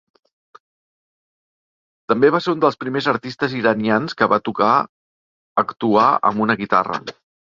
També va ser un dels primers artistes iranians que va tocar actuar amb una guitarra.